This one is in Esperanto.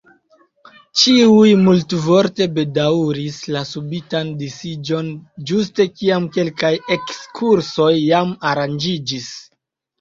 Ĉiuj multvorte bedaŭris la subitan disiĝon, ĝuste kiam kelkaj ekskursoj jam aranĝiĝis.